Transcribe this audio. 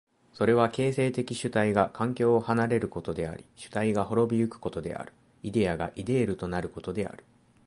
それは形成的主体が環境を離れることであり主体が亡び行くことである、イデヤがイデールとなることである。